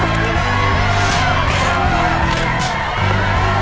อีสี่ใบทุกนัก